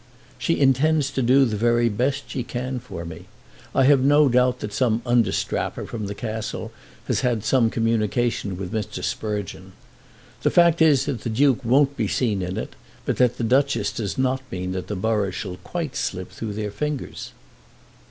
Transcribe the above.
"She intends to do the very best she can for me. I have no doubt that some understrapper from the Castle has had some communication with Mr. Sprugeon. The fact is that the Duke won't be seen in it, but that the Duchess does not mean that the borough shall quite slip through their fingers."